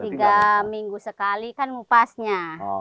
tiga minggu sekali kan ngupasnya